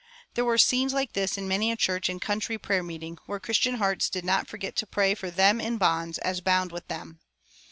There were scenes like this in many a church and country prayer meeting, where Christian hearts did not forget to pray "for them in bonds, as bound with them."